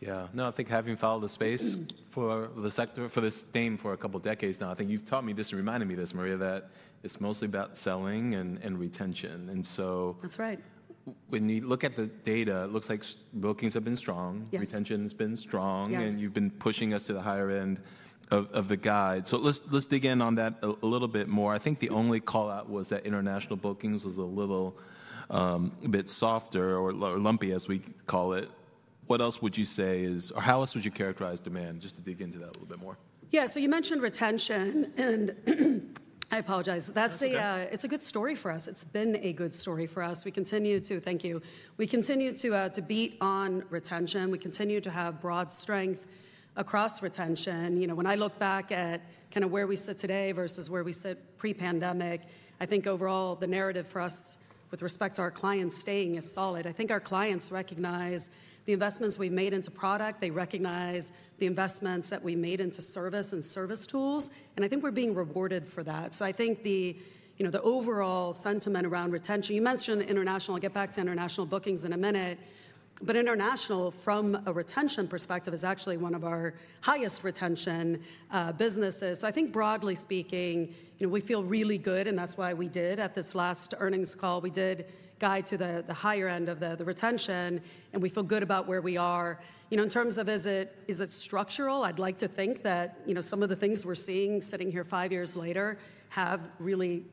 Yeah. No, I think having followed the space for the sector, for this game for a couple of decades now, I think you've taught me this and reminded me this, Maria, that it's mostly about selling and retention. And so. That's right. When you look at the data, it looks like bookings have been strong. Yes. Retention has been strong. Yes. You've been pushing us to the higher end of the guide. Let's dig in on that a little bit more. I think the only callout was that international bookings was a little bit softer or lumpy, as we call it. What else would you say is, or how else would you characterize demand? Just to dig into that a little bit more. Yeah. You mentioned retention, and I apologize. That's a good story for us. It's been a good story for us. We continue to, thank you. We continue to beat on retention. We continue to have broad strength across retention. You know, when I look back at kind of where we sit today versus where we sit pre-pandemic, I think overall the narrative for us with respect to our clients staying is solid. I think our clients recognize the investments we've made into product. They recognize the investments that we made into service and service tools. I think we're being rewarded for that. I think the overall sentiment around retention, you mentioned international, I'll get back to international bookings in a minute, but international from a retention perspective is actually one of our highest retention businesses. I think broadly speaking, we feel really good, and that's why we did at this last earnings call, we did guide to the higher end of the retention, and we feel good about where we are. In terms of, is it structural? I'd like to think that some of the things we're seeing sitting here five years later have really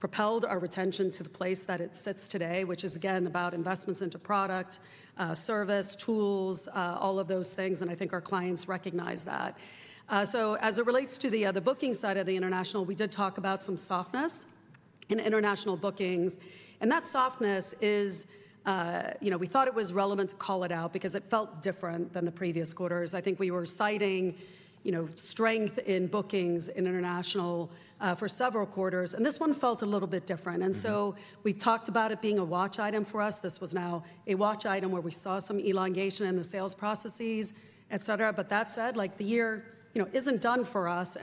propelled our retention to the place that it sits today, which is again about investments into product, service, tools, all of those things. I think our clients recognize that. As it relates to the booking side of the international, we did talk about some softness in international bookings. That softness is, we thought it was relevant to call it out because it felt different than the previous quarters. I think we were citing strength in bookings in international for several quarters, and this one felt a little bit different. We talked about it being a watch item for us. This was now a watch item where we saw some elongation in the sales processes, et cetera. That said, the year isn't done for us.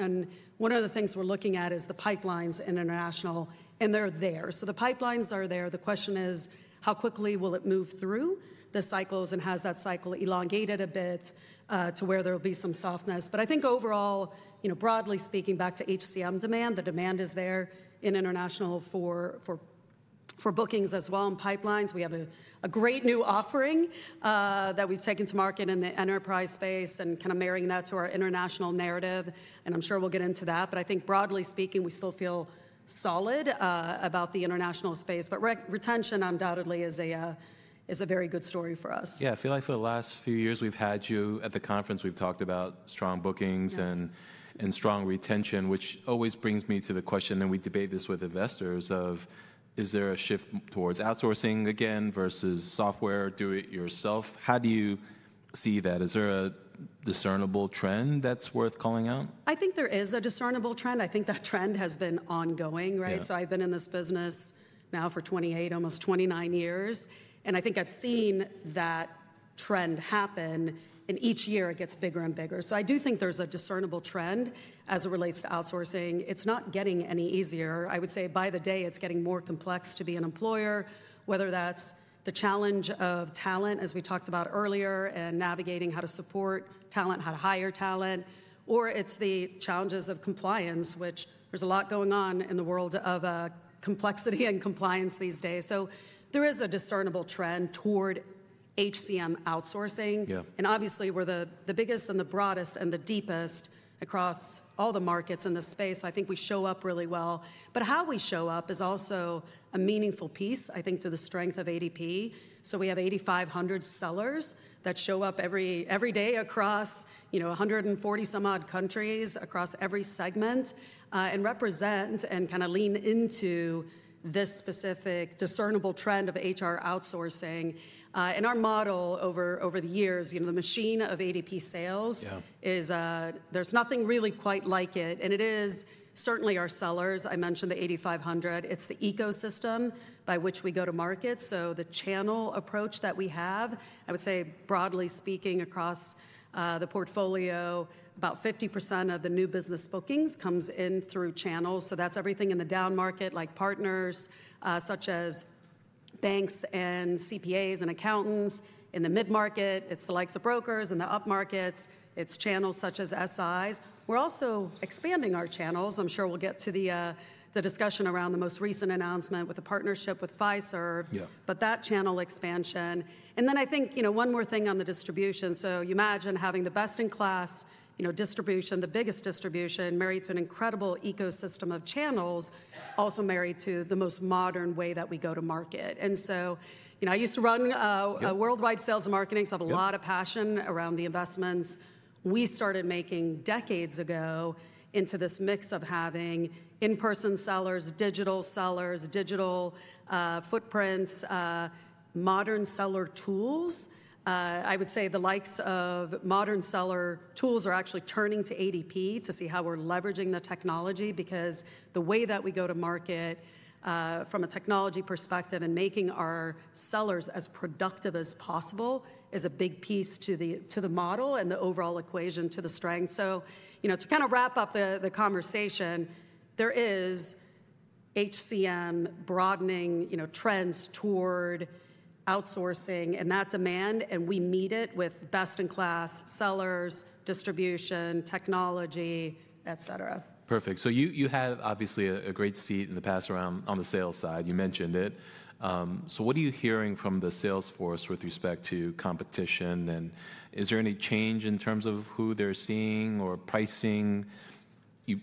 One of the things we're looking at is the pipelines in international, and they're there. The pipelines are there. The question is, how quickly will it move through the cycles and has that cycle elongated a bit to where there will be some softness? I think overall, broadly speaking, back to HCM demand, the demand is there in international for bookings as well and pipelines. We have a great new offering that we've taken to market in the enterprise space and kind of marrying that to our international narrative. I'm sure we'll get into that. I think broadly speaking, we still feel solid about the international space. Retention undoubtedly is a very good story for us. Yeah. I feel like for the last few years we've had you at the conference, we've talked about strong bookings and strong retention, which always brings me to the question, and we debate this with investors of, is there a shift towards outsourcing again versus software do-it-yourself? How do you see that? Is there a discernible trend that's worth calling out? I think there is a discernible trend. I think that trend has been ongoing. I have been in this business now for 28, almost 29 years. I think I have seen that trend happen, and each year it gets bigger and bigger. I do think there is a discernible trend as it relates to outsourcing. It is not getting any easier. I would say by the day it is getting more complex to be an employer, whether that is the challenge of talent, as we talked about earlier, and navigating how to support talent, how to hire talent, or it is the challenges of compliance, which there is a lot going on in the world of complexity and compliance these days. There is a discernible trend toward HCM outsourcing. Obviously we are the biggest and the broadest and the deepest across all the markets in the space. I think we show up really well. How we show up is also a meaningful piece, I think, to the strength of ADP. We have 8,500 sellers that show up every day across 140 some odd countries across every segment and represent and kind of lean into this specific discernible trend of HR outsourcing. Our model over the years, the machine of ADP sales is there's nothing really quite like it. It is certainly our sellers. I mentioned the 8,500. It's the ecosystem by which we go to market. The channel approach that we have, I would say broadly speaking across the portfolio, about 50% of the new business bookings comes in through channels. That's everything in the down market, like partners such as banks and CPAs and accountants. In the mid-market, it's the likes of brokers. In the up markets, it's channels such as SIs. We're also expanding our channels. I'm sure we'll get to the discussion around the most recent announcement with a partnership with Pfizer. That channel expansion. I think one more thing on the distribution. You imagine having the best in class distribution, the biggest distribution, married to an incredible ecosystem of channels, also married to the most modern way that we go to market. I used to run a worldwide sales and marketing. I have a lot of passion around the investments. We started making decades ago into this mix of having in-person sellers, digital sellers, digital footprints, modern seller tools. I would say the likes of modern seller tools are actually turning to ADP to see how we're leveraging the technology because the way that we go to market from a technology perspective and making our sellers as productive as possible is a big piece to the model and the overall equation to the strength. To kind of wrap up the conversation, there is HCM broadening trends toward outsourcing, and that demand, and we meet it with best in class sellers, distribution, technology, et cetera. Perfect. You have obviously a great seat in the past around on the sales side. You mentioned it. What are you hearing from the salesforce with respect to competition? Is there any change in terms of who they're seeing or pricing?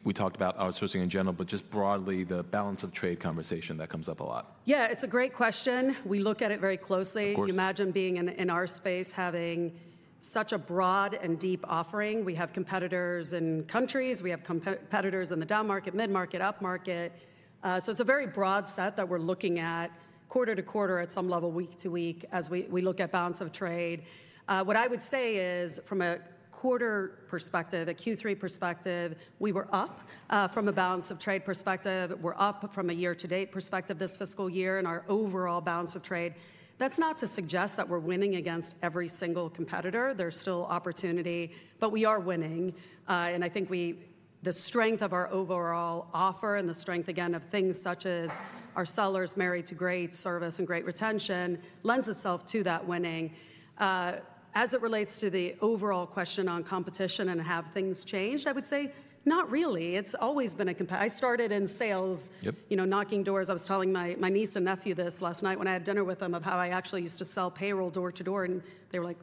We talked about outsourcing in general, but just broadly the balance of trade conversation that comes up a lot. Yeah, it's a great question. We look at it very closely. You imagine being in our space, having such a broad and deep offering. We have competitors in countries. We have competitors in the down market, mid-market, up market. It is a very broad set that we're looking at quarter to quarter at some level, week to week as we look at balance of trade. What I would say is from a quarter perspective, a Q3 perspective, we were up. From a balance of trade perspective, we're up from a year-to-date perspective this fiscal year in our overall balance of trade. That's not to suggest that we're winning against every single competitor. There's still opportunity, but we are winning. I think the strength of our overall offer and the strength again of things such as our sellers married to great service and great retention lends itself to that winning. As it relates to the overall question on competition and have things changed, I would say not really. It's always been a competition. I started in sales knocking doors. I was telling my niece and nephew this last night when I had dinner with them of how I actually used to sell payroll door to door. And they were like,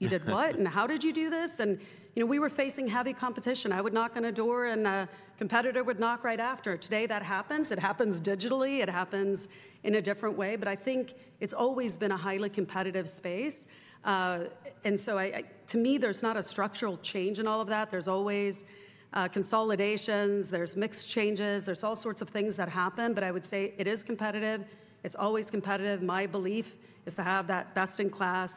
"You did what? And how did you do this?" We were facing heavy competition. I would knock on a door and a competitor would knock right after. Today that happens. It happens digitally. It happens in a different way. I think it's always been a highly competitive space. To me, there's not a structural change in all of that. There are always consolidations. There are mixed changes. There are all sorts of things that happen. I would say it is competitive. It's always competitive. My belief is to have that best in class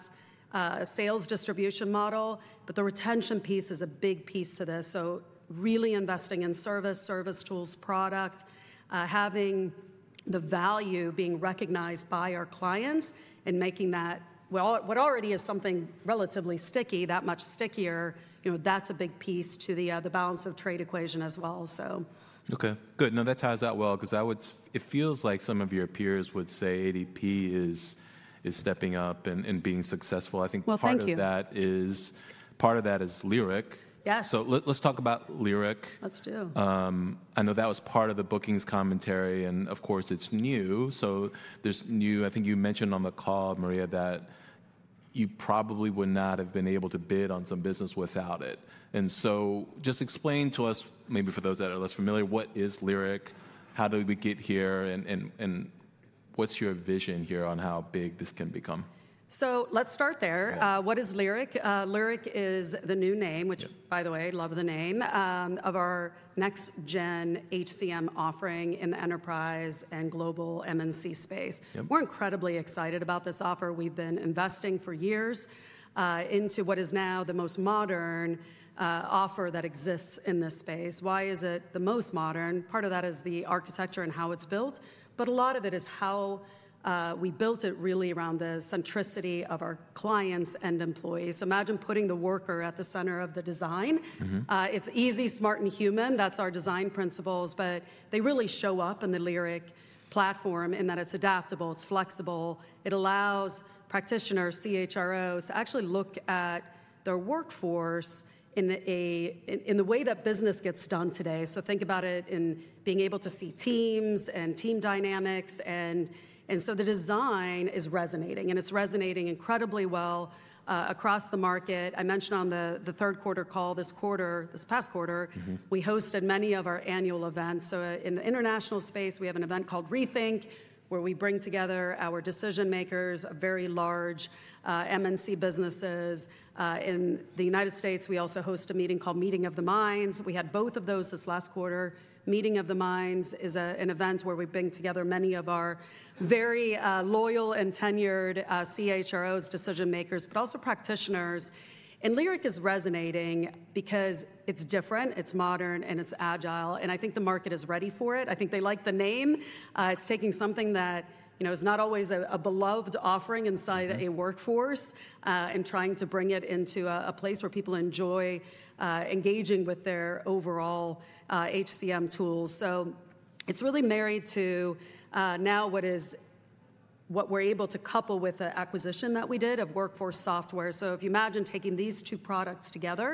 sales distribution model. The retention piece is a big piece to this. Really investing in service, service tools, product, having the value being recognized by our clients and making that what already is something relatively sticky, that much stickier, that's a big piece to the balance of trade equation as well. Okay. Good. No, that ties out well because it feels like some of your peers would say ADP is stepping up and being successful. I think part of that is part of that is Lyric. Yes. Let's talk about Lyric. Let's do. I know that was part of the bookings commentary. Of course, it is new. There is new, I think you mentioned on the call, Maria, that you probably would not have been able to bid on some business without it. Just explain to us, maybe for those that are less familiar, what is Lyric? How did we get here? What is your vision here on how big this can become? Let's start there. What is Lyric? Lyric is the new name, which, by the way, love the name of our next-gen HCM offering in the enterprise and global MNC space. We're incredibly excited about this offer. We've been investing for years into what is now the most modern offer that exists in this space. Why is it the most modern? Part of that is the architecture and how it's built. A lot of it is how we built it really around the centricity of our clients and employees. Imagine putting the worker at the center of the design. It's easy, smart, and human. That's our design principles. They really show up in the Lyric platform in that it's adaptable. It's flexible. It allows practitioners, CHROs, to actually look at their workforce in the way that business gets done today. Think about it in being able to see teams and team dynamics. The design is resonating, and it's resonating incredibly well across the market. I mentioned on the third quarter call this quarter, this past quarter, we hosted many of our annual events. In the international space, we have an event called Rethink, where we bring together our decision makers, very large MNC businesses. In the United States, we also host a meeting called Meeting of the Minds. We had both of those this last quarter. Meeting of the Minds is an event where we bring together many of our very loyal and tenured CHROs, decision makers, but also practitioners. Lyric is resonating because it's different, it's modern, and it's agile. I think the market is ready for it. I think they like the name. It's taking something that is not always a beloved offering inside a workforce and trying to bring it into a place where people enjoy engaging with their overall HCM tools. It is really married to now what we're able to couple with the acquisition that we did of WorkForce Software. If you imagine taking these two products together,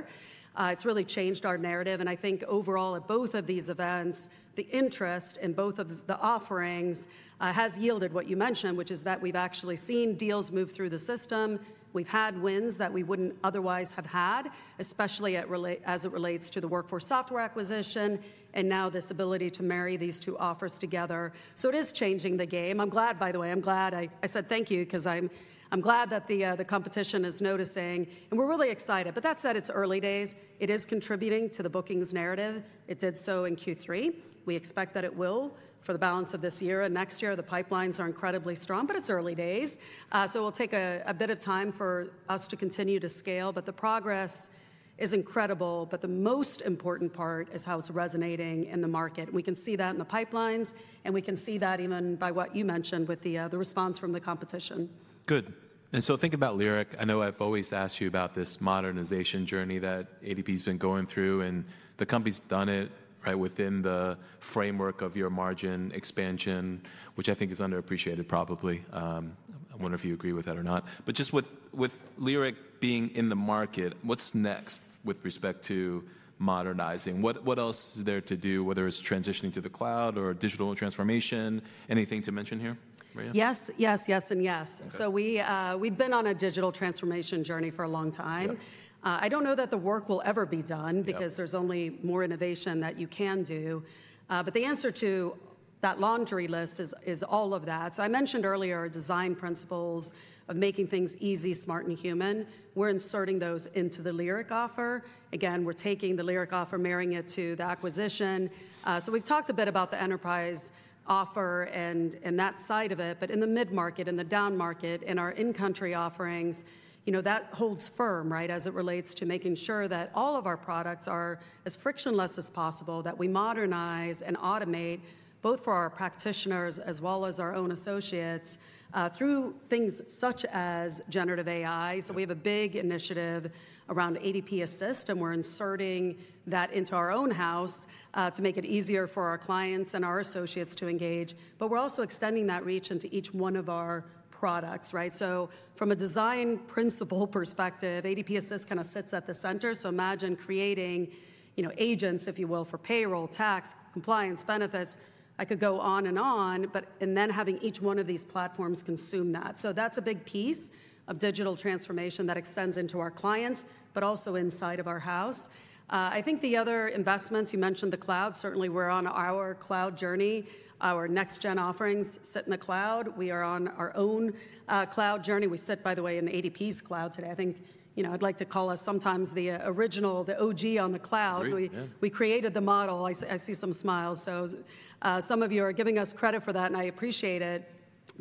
it has really changed our narrative. I think overall at both of these events, the interest in both of the offerings has yielded what you mentioned, which is that we've actually seen deals move through the system. We've had wins that we wouldn't otherwise have had, especially as it relates to the WorkForce Software acquisition and now this ability to marry these two offers together. It is changing the game. I'm glad, by the way. I'm glad I said thank you because I'm glad that the competition is noticing. We are really excited. That said, it's early days. It is contributing to the bookings narrative. It did so in Q3. We expect that it will for the balance of this year and next year. The pipelines are incredibly strong, but it's early days. It will take a bit of time for us to continue to scale. The progress is incredible. The most important part is how it's resonating in the market. We can see that in the pipelines, and we can see that even by what you mentioned with the response from the competition. Good. Think about Lyric. I know I've always asked you about this modernization journey that ADP has been going through. The company's done it within the framework of your margin expansion, which I think is underappreciated probably. I wonder if you agree with that or not. Just with Lyric being in the market, what's next with respect to modernizing? What else is there to do, whether it's transitioning to the cloud or digital transformation? Anything to mention here, Maria? Yes, yes, yes, and yes. We have been on a digital transformation journey for a long time. I do not know that the work will ever be done because there is only more innovation that you can do. The answer to that laundry list is all of that. I mentioned earlier design principles of making things easy, smart, and human. We are inserting those into the Lyric offer. Again, we are taking the Lyric offer, marrying it to the acquisition. We have talked a bit about the enterprise offer and that side of it. In the mid-market, in the down market, in our in-country offerings, that holds firm as it relates to making sure that all of our products are as frictionless as possible, that we modernize and automate both for our practitioners as well as our own associates through things such as Generative AI. We have a big initiative around ADP Assist, and we're inserting that into our own house to make it easier for our clients and our associates to engage. We're also extending that reach into each one of our products. From a design principle perspective, ADP Assist kind of sits at the center. Imagine creating agents, if you will, for payroll, tax, compliance, benefits. I could go on and on, but then having each one of these platforms consume that. That's a big piece of digital transformation that extends into our clients, but also inside of our house. I think the other investments, you mentioned the cloud. Certainly, we're on our cloud journey. Our next-gen offerings sit in the cloud. We are on our own cloud journey. We sit, by the way, in ADP's cloud today. I think I'd like to call us sometimes the original, the OG on the cloud. We created the model. I see some smiles. Some of you are giving us credit for that, and I appreciate it.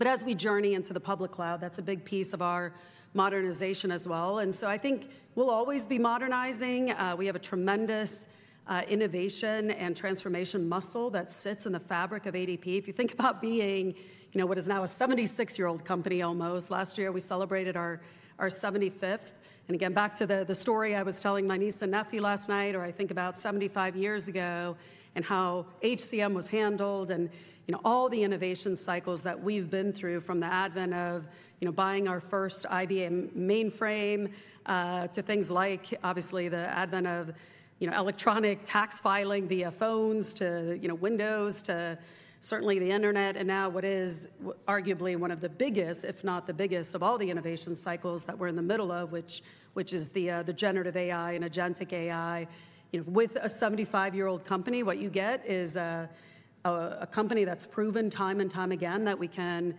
As we journey into the public cloud, that's a big piece of our modernization as well. I think we'll always be modernizing. We have a tremendous innovation and transformation muscle that sits in the fabric of ADP. If you think about being what is now a 76-year-old company almost, last year we celebrated our 75th. Again, back to the story I was telling my niece and nephew last night, or I think about 75 years ago and how HCM was handled and all the innovation cycles that we've been through from the advent of buying our first IBM mainframe to things like, obviously, the advent of electronic tax filing via phones to Windows, to certainly the internet. Now what is arguably one of the biggest, if not the biggest, of all the innovation cycles that we're in the middle of, which is the Generative AI and Agentic AI. With a 75-year-old company, what you get is a company that's proven time and time again that we can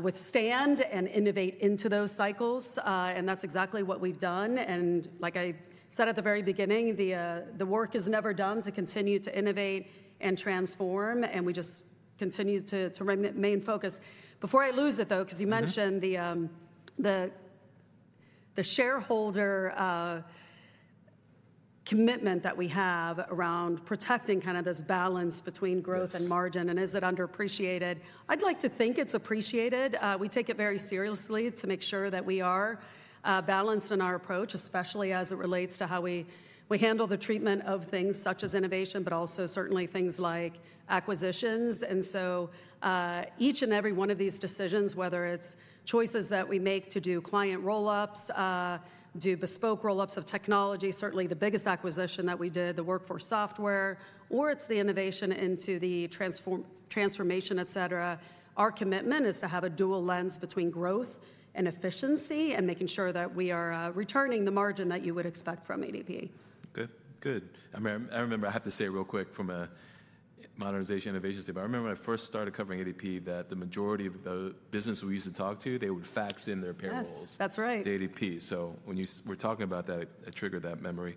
withstand and innovate into those cycles. That's exactly what we've done. Like I said at the very beginning, the work is never done to continue to innovate and transform. We just continue to remain focused. Before I lose it, though, because you mentioned the shareholder commitment that we have around protecting kind of this balance between growth and margin. Is it underappreciated? I'd like to think it's appreciated. We take it very seriously to make sure that we are balanced in our approach, especially as it relates to how we handle the treatment of things such as innovation, but also certainly things like acquisitions. Each and every one of these decisions, whether it's choices that we make to do client roll-ups, do bespoke roll-ups of technology, certainly the biggest acquisition that we did, the WorkForce Software, or it's the innovation into the transformation, et cetera, our commitment is to have a dual lens between growth and efficiency and making sure that we are returning the margin that you would expect from ADP. Good. Good. I remember I have to say real quick from a modernization innovation statement. I remember when I first started covering ADP that the majority of the business we used to talk to, they would fax in their payrolls. Yes, that's right. To ADP. When we're talking about that, I triggered that memory.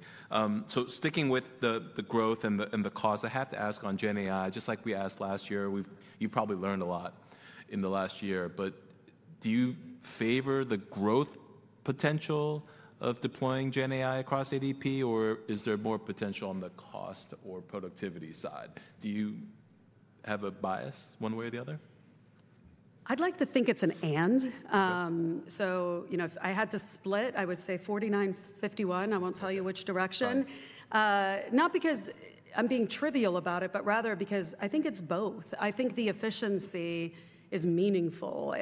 Sticking with the growth and the cost, I have to ask on Gen AI, just like we asked last year, you probably learned a lot in the last year. Do you favor the growth potential of deploying Gen AI across ADP, or is there more potential on the cost or productivity side? Do you have a bias one way or the other? I'd like to think it's an and. If I had to split, I would say 49-51. I won't tell you which direction. Not because I'm being trivial about it, but rather because I think it's both. I think the efficiency is meaningful.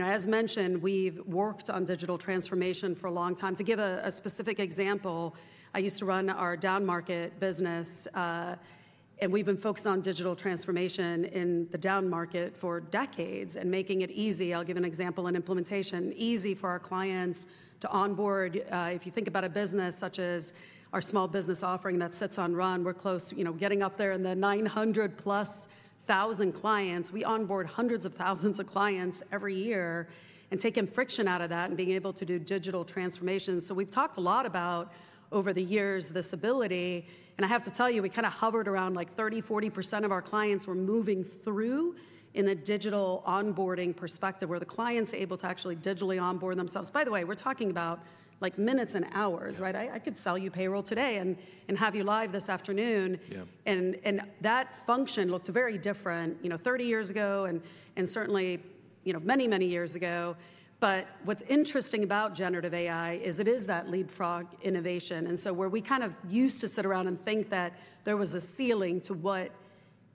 As mentioned, we've worked on digital transformation for a long time. To give a specific example, I used to run our down market business, and we've been focused on digital transformation in the down market for decades and making it easy. I'll give an example in implementation, easy for our clients to onboard. If you think about a business such as our small business offering that sits on Run, we're close, getting up there in the 900-plus thousand clients. We onboard hundreds of thousands of clients every year and taking friction out of that and being able to do digital transformation. We've talked a lot about over the years this ability. I have to tell you, we kind of hovered around 30%-40% of our clients were moving through in the digital onboarding perspective where the client's able to actually digitally onboard themselves. By the way, we're talking about minutes and hours. I could sell you payroll today and have you live this afternoon. That function looked very different 30 years ago and certainly many, many years ago. What's interesting about generative AI is it is that leapfrog innovation. Where we kind of used to sit around and think that there was a ceiling to what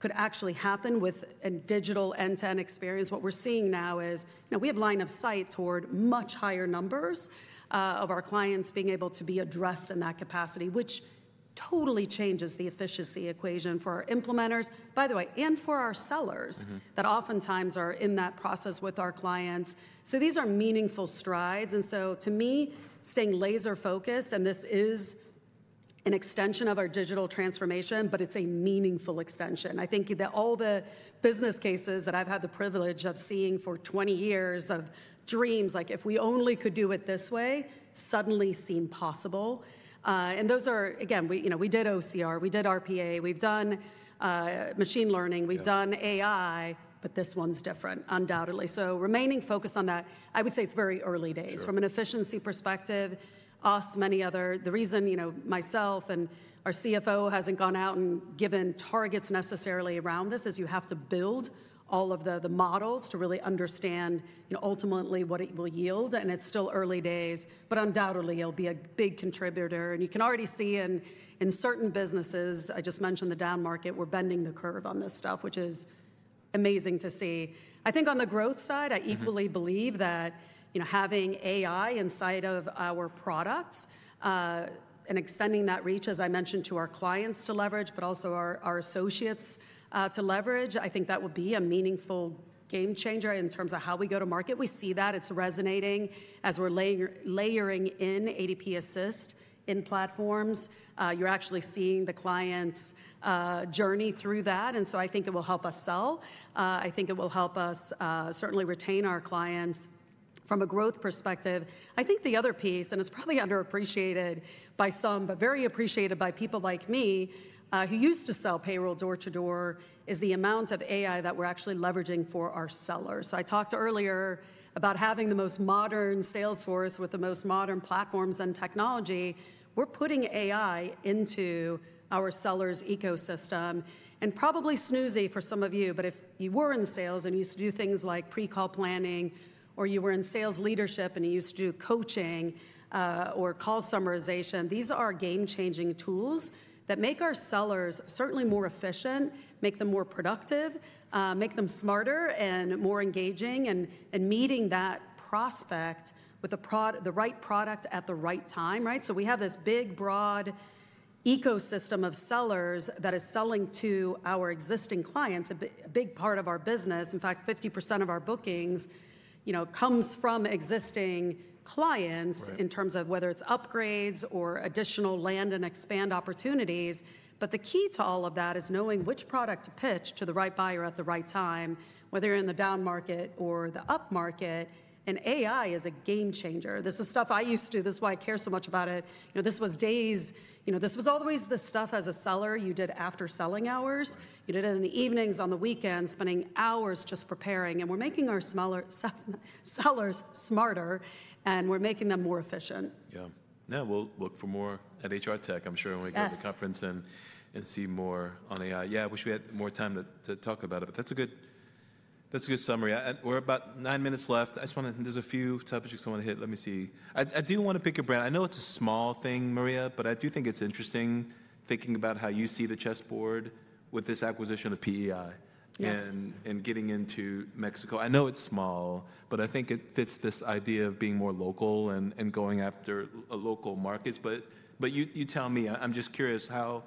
could actually happen with a digital end-to-end experience, what we're seeing now is we have line of sight toward much higher numbers of our clients being able to be addressed in that capacity, which totally changes the efficiency equation for our implementers, by the way, and for our sellers that oftentimes are in that process with our clients. These are meaningful strides. To me, staying laser-focused, and this is an extension of our digital transformation, but it's a meaningful extension. I think that all the business cases that I've had the privilege of seeing for 20 years of dreams, like if we only could do it this way, suddenly seem possible. Those are, again, we did OCR, we did RPA, we've done machine learning, we've done AI, but this one's different, undoubtedly. Remaining focused on that, I would say it's very early days. From an efficiency perspective, us, many others, the reason myself and our CFO hasn't gone out and given targets necessarily around this is you have to build all of the models to really understand ultimately what it will yield. It's still early days, but undoubtedly, it'll be a big contributor. You can already see in certain businesses, I just mentioned the down market, we're bending the curve on this stuff, which is amazing to see. I think on the growth side, I equally believe that having AI inside of our products and extending that reach, as I mentioned, to our clients to leverage, but also our associates to leverage, I think that will be a meaningful game changer in terms of how we go to market. We see that it's resonating as we're layering in ADP Assist in platforms. You're actually seeing the clients' journey through that. I think it will help us sell. I think it will help us certainly retain our clients from a growth perspective. I think the other piece, and it's probably underappreciated by some, but very appreciated by people like me who used to sell payroll door-to-door, is the amount of AI that we're actually leveraging for our sellers. I talked earlier about having the most modern Salesforce with the most modern platforms and technology. We're putting AI into our sellers' ecosystem. Probably snoozey for some of you, but if you were in sales and you used to do things like pre-call planning, or you were in sales leadership and you used to do coaching or call summarization, these are game-changing tools that make our sellers certainly more efficient, make them more productive, make them smarter and more engaging and meeting that prospect with the right product at the right time. We have this big, broad ecosystem of sellers that is selling to our existing clients, a big part of our business. In fact, 50% of our bookings comes from existing clients in terms of whether it's upgrades or additional land and expand opportunities. The key to all of that is knowing which product to pitch to the right buyer at the right time, whether you're in the down market or the up market. AI is a game changer. This is stuff I used to do. This is why I care so much about it. This was days. This was always the stuff as a seller you did after selling hours. You did it in the evenings, on the weekends, spending hours just preparing. We're making our sellers smarter, and we're making them more efficient. Yeah. Now, we'll look for more at HR Tech, I'm sure, when we go to the conference and see more on AI. Yeah, I wish we had more time to talk about it, but that's a good summary. We're about nine minutes left. I just want to, there's a few topics I want to hit. Let me see. I do want to pick a brand. I know it's a small thing, Maria, but I do think it's interesting thinking about how you see the chessboard with this acquisition of PEI and getting into Mexico. I know it's small, but I think it fits this idea of being more local and going after local markets. You tell me, I'm just curious, how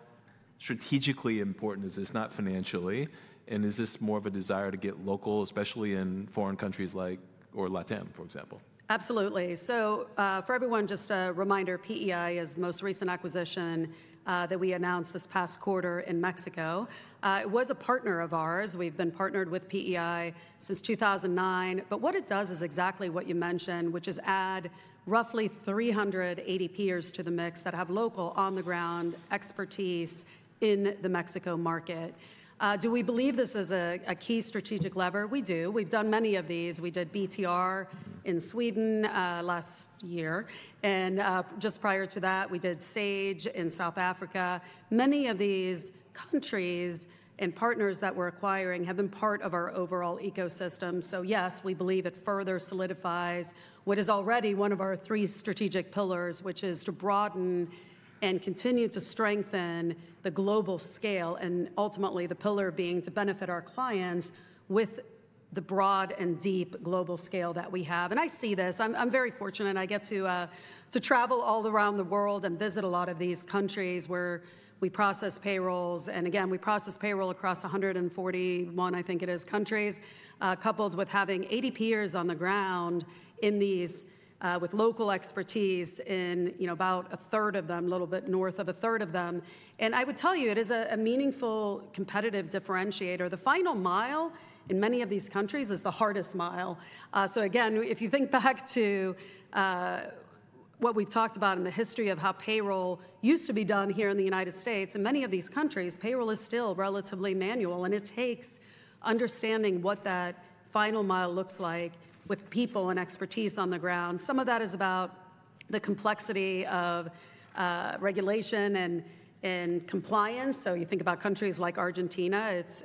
strategically important is this, not financially? Is this more of a desire to get local, especially in foreign countries like or LATAM, for example? Absolutely. For everyone, just a reminder, PEI is the most recent acquisition that we announced this past quarter in Mexico. It was a partner of ours. We have been partnered with PEI since 2009. What it does is exactly what you mentioned, which is add roughly 300 ADPers to the mix that have local on-the-ground expertise in the Mexico market. Do we believe this is a key strategic lever? We do. We have done many of these. We did BTR in Sweden last year. Just prior to that, we did Sage in South Africa. Many of these countries and partners that we are acquiring have been part of our overall ecosystem. Yes, we believe it further solidifies what is already one of our three strategic pillars, which is to broaden and continue to strengthen the global scale, and ultimately the pillar being to benefit our clients with the broad and deep global scale that we have. I see this. I'm very fortunate. I get to travel all around the world and visit a lot of these countries where we process payrolls. Again, we process payroll across 141, I think it is, countries, coupled with having ADPers on the ground in these with local expertise in about a third of them, a little bit north of a third of them. I would tell you, it is a meaningful competitive differentiator. The final mile in many of these countries is the hardest mile. If you think back to what we've talked about in the history of how payroll used to be done here in the U.S., in many of these countries, payroll is still relatively manual. It takes understanding what that final mile looks like with people and expertise on the ground. Some of that is about the complexity of regulation and compliance. You think about countries like Argentina, it's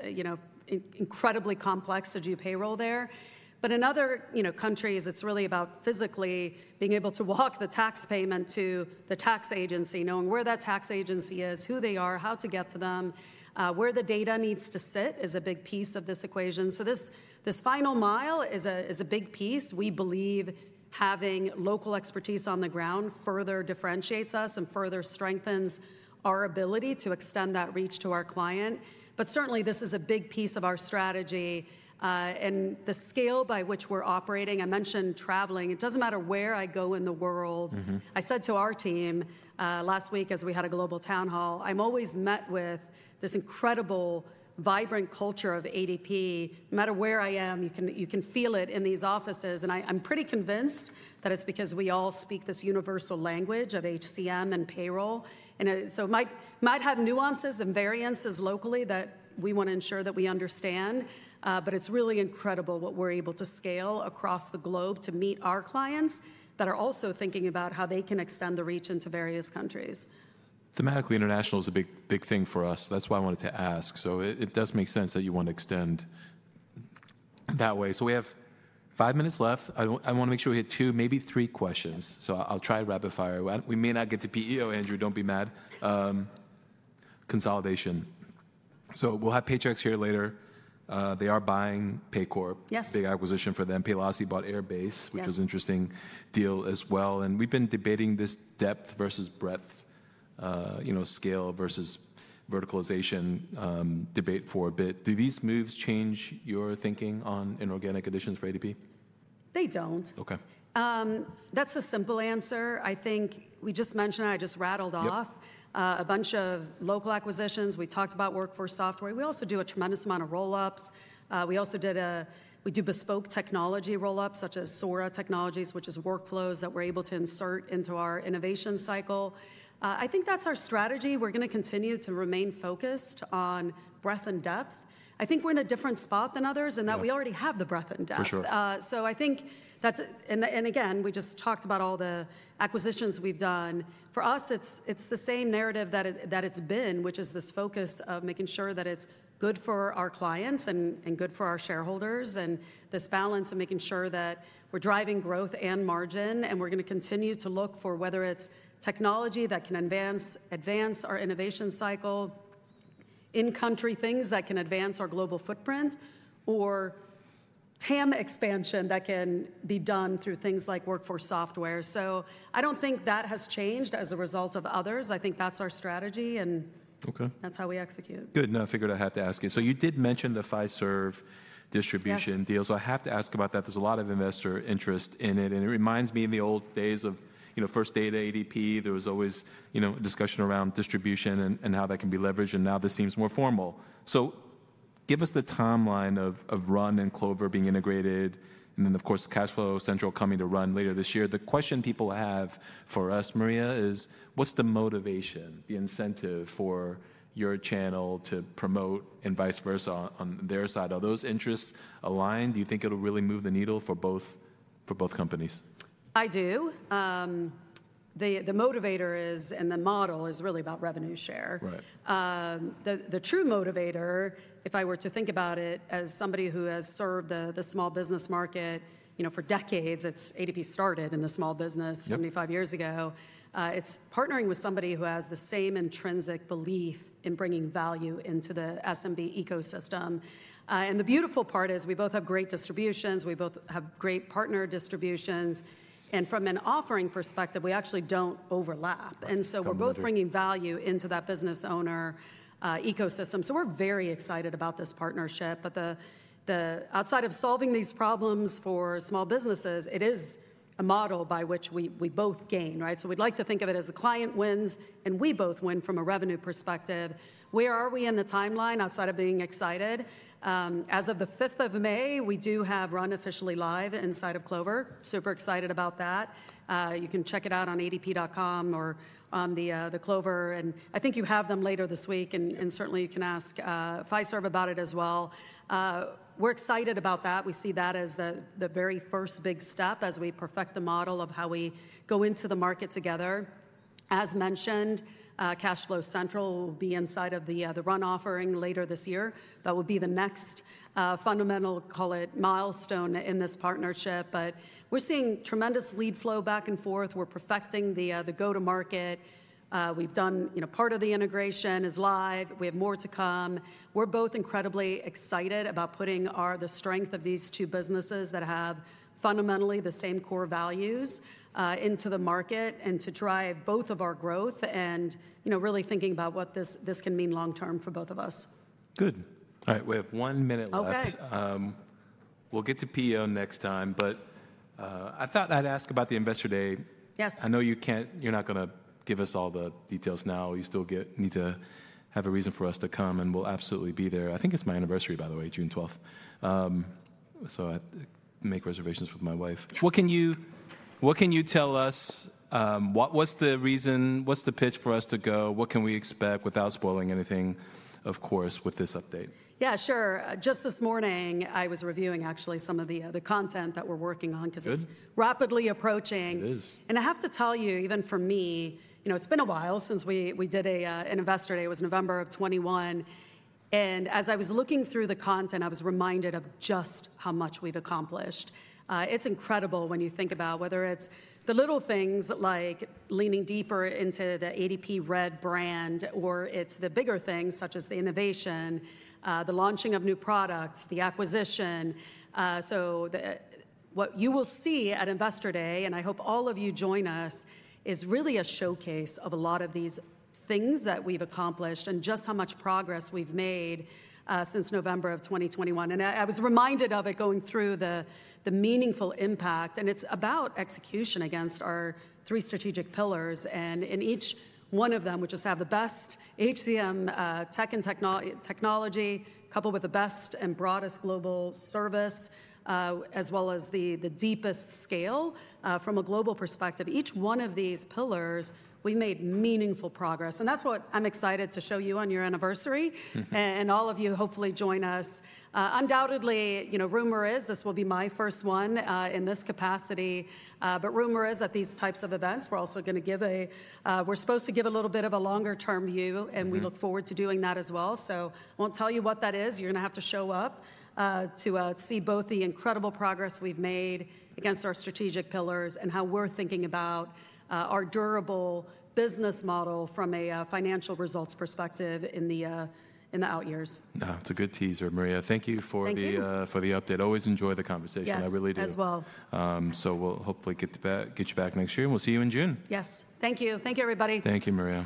incredibly complex to do payroll there. In other countries, it's really about physically being able to walk the tax payment to the tax agency, knowing where that tax agency is, who they are, how to get to them. Where the data needs to sit is a big piece of this equation. This final mile is a big piece. We believe having local expertise on the ground further differentiates us and further strengthens our ability to extend that reach to our client. Certainly, this is a big piece of our strategy. The scale by which we're operating, I mentioned traveling. It doesn't matter where I go in the world. I said to our team last week as we had a global town hall, I'm always met with this incredible vibrant culture of ADP. No matter where I am, you can feel it in these offices. I'm pretty convinced that it's because we all speak this universal language of HCM and payroll. It might have nuances and variances locally that we want to ensure that we understand. It is really incredible what we are able to scale across the globe to meet our clients that are also thinking about how they can extend the reach into various countries. Thematically, international is a big thing for us. That's why I wanted to ask. It does make sense that you want to extend that way. We have five minutes left. I want to make sure we hit two, maybe three questions. I'll try to rapid fire. We may not get to PEO, Andrew. Don't be mad. Consolidation. We'll have Paychex here later. They are buying Paycorp, big acquisition for them. Paylocity bought Airbase, which was an interesting deal as well. We've been debating this depth versus breadth, scale versus verticalization debate for a bit. Do these moves change your thinking on inorganic additions for ADP? They don't. That's a simple answer. I think we just mentioned it. I just rattled off a bunch of local acquisitions. We talked about WorkForce Software. We also do a tremendous amount of roll-ups. We also did a, we do bespoke technology roll-ups such as Sora Technologies, which is workflows that we're able to insert into our innovation cycle. I think that's our strategy. We're going to continue to remain focused on breadth and depth. I think we're in a different spot than others in that we already have the breadth and depth. I think that's, and again, we just talked about all the acquisitions we've done. For us, it's the same narrative that it's been, which is this focus of making sure that it's good for our clients and good for our shareholders and this balance of making sure that we're driving growth and margin. We're going to continue to look for whether it's technology that can advance our innovation cycle in country, things that can advance our global footprint, or TAM expansion that can be done through things like WorkForce Software. I don't think that has changed as a result of others. I think that's our strategy and that's how we execute. Good. Now, I figured I have to ask you. You did mention the Fiserv distribution deal. I have to ask about that. There's a lot of investor interest in it. It reminds me of the old days of First Data ADP. There was always a discussion around distribution and how that can be leveraged. Now this seems more formal. Give us the timeline of Run and Clover being integrated. Of course, Cashflow Central coming to Run later this year. The question people have for us, Maria, is what's the motivation, the incentive for your channel to promote and vice versa on their side? Are those interests aligned? Do you think it'll really move the needle for both companies? I do. The motivator is, and the model is really about revenue share. The true motivator, if I were to think about it as somebody who has served the small business market for decades, is ADP started in the small business 75 years ago. It is partnering with somebody who has the same intrinsic belief in bringing value into the SMB ecosystem. The beautiful part is we both have great distributions. We both have great partner distributions. From an offering perspective, we actually do not overlap. We are both bringing value into that business owner ecosystem. We are very excited about this partnership. Outside of solving these problems for small businesses, it is a model by which we both gain. We like to think of it as the client wins and we both win from a revenue perspective. Where are we in the timeline outside of being excited? As of the 5th of May, we do have Run officially live inside of Clover. Super excited about that. You can check it out on adp.com or on the Clover. I think you have them later this week. Certainly, you can ask Fiserv about it as well. We are excited about that. We see that as the very first big step as we perfect the model of how we go into the market together. As mentioned, Cashflow Central will be inside of the Run offering later this year. That will be the next fundamental, call it milestone in this partnership. We are seeing tremendous lead flow back and forth. We are perfecting the go-to-market. We have done part of the integration is live. We have more to come. We're both incredibly excited about putting the strength of these two businesses that have fundamentally the same core values into the market and to drive both of our growth and really thinking about what this can mean long-term for both of us. Good. All right. We have one minute left. We'll get to PEO next time. I thought I'd ask about the Investor Day. I know you're not going to give us all the details now. You still need to have a reason for us to come. We'll absolutely be there. I think it's my anniversary, by the way, June 12th. I make reservations with my wife. What can you tell us? What's the reason? What's the pitch for us to go? What can we expect without spoiling anything, of course, with this update? Yeah, sure. Just this morning, I was reviewing actually some of the content that we're working on because it's rapidly approaching. I have to tell you, even for me, it's been a while since we did an Investor Day. It was November of 2021. As I was looking through the content, I was reminded of just how much we've accomplished. It's incredible when you think about whether it's the little things like leaning deeper into the ADP Red brand, or it's the bigger things such as the innovation, the launching of new products, the acquisition. What you will see at Investor Day, and I hope all of you join us, is really a showcase of a lot of these things that we've accomplished and just how much progress we've made since November of 2021. I was reminded of it going through the meaningful impact. It is about execution against our three strategic pillars. In each one of them, we just have the best HCM tech and technology, coupled with the best and broadest global service, as well as the deepest scale from a global perspective. Each one of these pillars, we made meaningful progress. That is what I am excited to show you on your anniversary, and all of you hopefully join us. Undoubtedly, rumor is this will be my first one in this capacity. Rumor is that these types of events, we are also going to give a, we are supposed to give a little bit of a longer-term view. We look forward to doing that as well. I will not tell you what that is. You're going to have to show up to see both the incredible progress we've made against our strategic pillars and how we're thinking about our durable business model from a financial results perspective in the out years. It's a good teaser, Maria. Thank you for the update. Always enjoy the conversation. I really do. As well. We'll hopefully get you back next year. We'll see you in June. Yes. Thank you. Thank you, everybody. Thank you, Maria.